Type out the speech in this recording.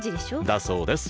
だそうです